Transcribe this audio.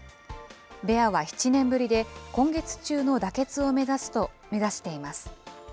ベアは７年ぶりで、今月中の妥結を目指しています。